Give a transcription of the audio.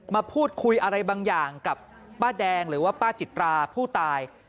มาพูดคุยอะไรบางอย่างกับป้าแดงหรือว่าป้าจิตราผู้ตาย